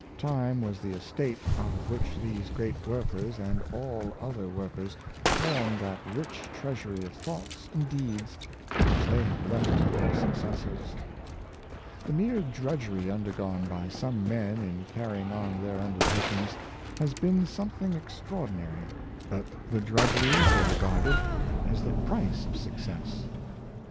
Time was the estate out of which these great workers, and all other workers, formed that rich treas ury of thoughts and deeds which they have left to their successors. The mere drudgery undergone by some men in car rying on their undertakings has been something extra ordinary, but the drudgery they regarded as the price of success.